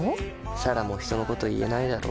彩良も人のこと言えないだろ。